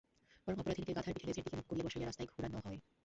বরং অপরাধিনীকে গাধার পিঠে লেজের দিকে মুখ করিয়া বসাইয়া রাস্তায় ঘুরান হয়।